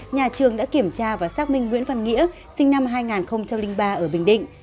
nhà trường đã kiểm tra và xác minh nguyễn văn nghĩa sinh năm hai nghìn ba ở bình định